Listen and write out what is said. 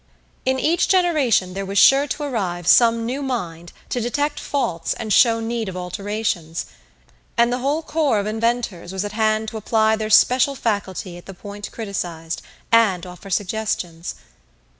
In each generation there was sure to arrive some new mind to detect faults and show need of alterations; and the whole corps of inventors was at hand to apply their special faculty at the point criticized, and offer suggestions.